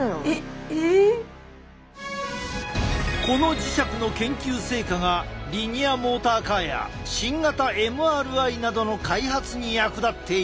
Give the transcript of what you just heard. この磁石の研究成果がリニアモーターカーや新型ＭＲＩなどの開発に役立っている！